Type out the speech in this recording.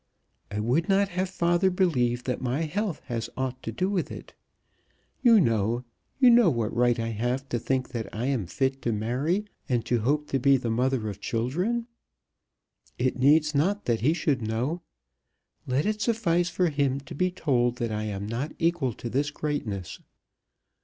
"I would not have father believe that my health has aught to do with it. You know, you know what right I have to think that I am fit to marry and to hope to be the mother of children. It needs not that he should know. Let it suffice for him to be told that I am not equal to this greatness.